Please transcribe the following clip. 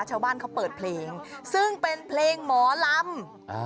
ชาวบ้านเขาเปิดเพลงซึ่งเป็นเพลงหมอลำ